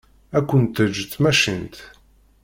Ad kent-teǧǧ tmacint.